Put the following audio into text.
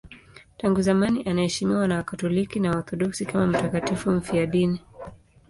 Tangu zamani anaheshimiwa na Wakatoliki na Waorthodoksi kama mtakatifu mfiadini.